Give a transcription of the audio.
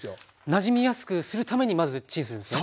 なじみやすくするためにまずチンするんですね。